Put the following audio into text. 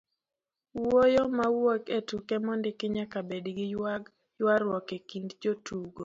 wuoyo mawuok e tuke mondiki nyaka bed gi ywaruok e kind jotuko